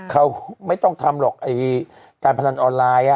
เขาไม่ต้องทำหรอกการพนันออนไลน์